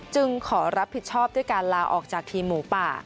ขอรับผิดชอบด้วยการลาออกจากทีมหมูป่า